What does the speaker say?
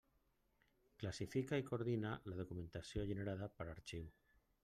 Classifica i coordina la documentació generada per a arxiu.